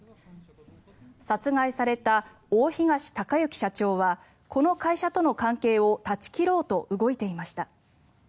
殺害された大東隆行社長はこの会社との関係を断ち切ろうと動いていました。